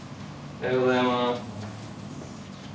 おはようございます。